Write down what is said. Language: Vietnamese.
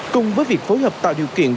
cùng với việc phối hợp tạo điều kiện